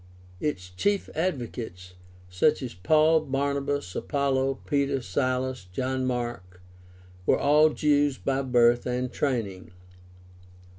Its chief advocates, such as Paul, Barnabas, Apollos, Peter, Silas, John Mark, were all Jews by birth and training.